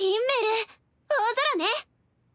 「大空」ね。